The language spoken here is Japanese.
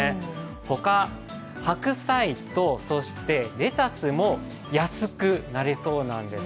ほか、白菜とレタスも安くなりそうなんです。